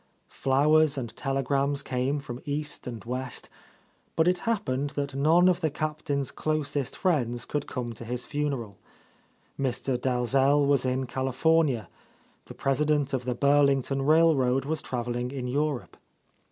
Flowers and telegrams came from east and west, but it happened that none of the Captain's closest friends could come to his funeral. Mr. Dalzell was in California, the president of the Burlington railroad was travelling in Europe.